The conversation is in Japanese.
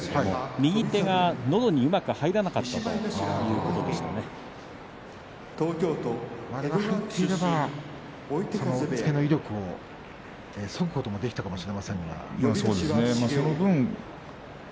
右手がのどにうまく入らなかったあれが入っていれば押っつけの力をそぐことができたかもしれません。